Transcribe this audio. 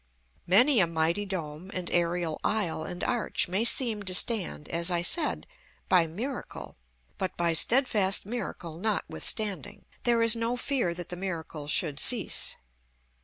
Many a mighty dome and aërial aisle and arch may seem to stand, as I said, by miracle, but by steadfast miracle notwithstanding; there is no fear that the miracle should cease.